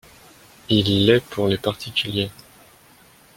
Il l’est pour les particuliers